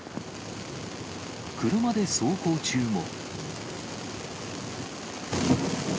車で走行中も。